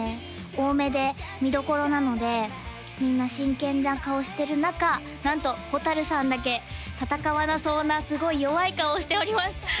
多めで見どころなのでみんな真剣な顔してる中なんと蛍さんだけ戦わなそうなすごい弱い顔をしております